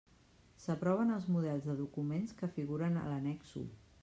S'aproven els models de documents que figuren a l'Annex u.